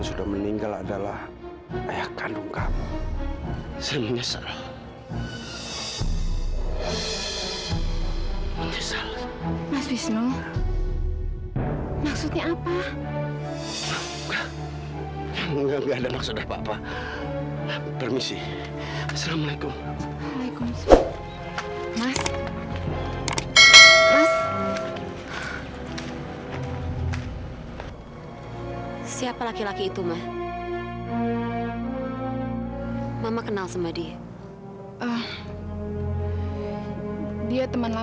sampai jumpa di video selanjutnya